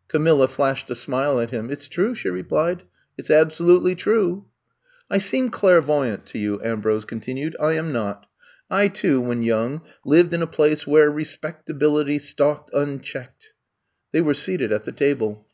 '' Camilla flashed a smile at him. It 's true,'' she replied; ^4t 's absolutely true." I seem clairvoyant tp you," Ambrose continued. *^I am not. I, too, when young, lived in a place where respectabil ity stalked unchecked'' They were seated at the table.